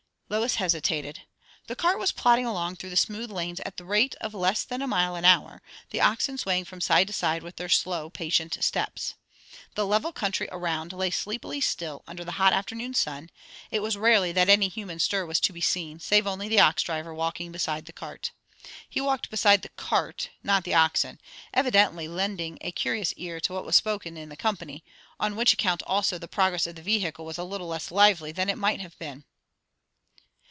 Lois hesitated. The cart was plodding along through the smooth lanes at the rate of less than a mile an hour, the oxen swaying from side to side with their slow, patient steps. The level country around lay sleepily still under the hot afternoon sun; it was rarely that any human stir was to be seen, save only the ox driver walking beside the cart. He walked beside the cart, not the oxen; evidently lending a curious ear to what was spoken in the company; on which account also the progress of the vehicle was a little less lively than it might have been.